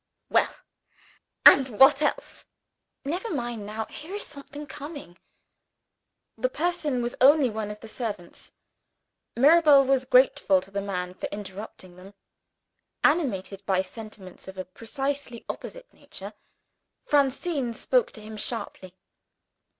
"Well, and what else? Never mind now! Here is somebody coming." The person was only one of the servants. Mirabel felt grateful to the man for interrupting them. Animated by sentiments of a precisely opposite nature, Francine spoke to him sharply.